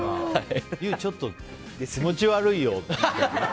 ユー、ちょっと気持ち悪いよって。